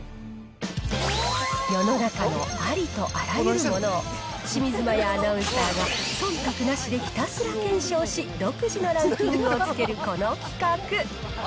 世の中のありとあらゆるものを清水麻椰アナウンサーがそんたくなしでひたすら検証し、独自のランキングをつけるこの企画。